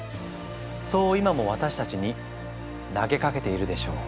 そう今も私たちに投げかけているでしょう。